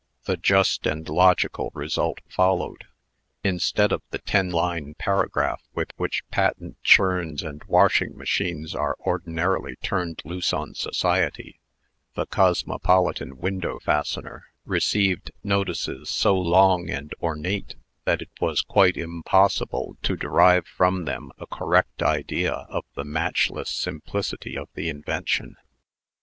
The just and logical result followed. Instead of the ten line paragraph with which patent churns and washing machines are ordinarily turned loose on society, the "Cosmopolitan Window Fastener" received notices so long and ornate, that it was quite impossible to derive from them a correct idea of the matchless simplicity of the invention.